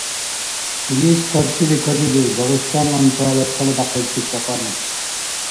Илис къаршили кадизур дагъистанлантала цаладяхъибти цӀакьани.